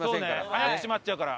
早く閉まっちゃうから。